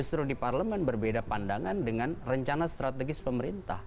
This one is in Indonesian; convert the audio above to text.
justru di parlemen berbeda pandangan dengan rencana strategis pemerintah